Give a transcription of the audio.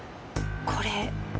これ。